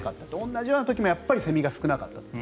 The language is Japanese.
同じような時もやっぱりセミが少なかったと。